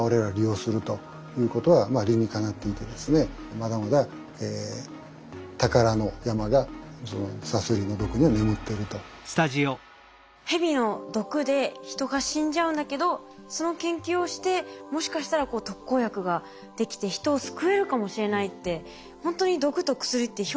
まだまだヘビの毒で人が死んじゃうんだけどその研究をしてもしかしたら特効薬が出来て人を救えるかもしれないってほんとにはい。